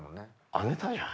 あげたじゃん！